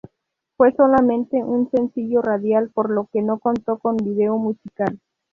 Fue solamente un sencillo radial, por lo que no contó con vídeo musical.